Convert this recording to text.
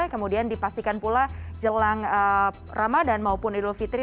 kemudian dipastikan pula jelang ramadan maupun idul fitri